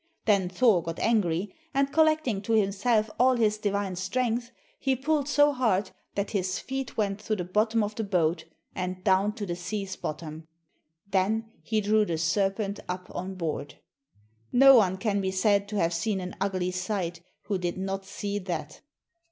Then Thor got angry, and, collecting to himself all his divine strength, he pulled so hard that his feet went through the bottom of the boat and down to the sea's bottom. Then he drew the serpent up on board. No one can be said to have seen an ugly sight who did not see that.